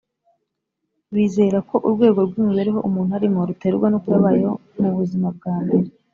bizera ko urwego rw’imibereho umuntu arimo ruterwa n’uko yabayeho mu buzima bwa mbere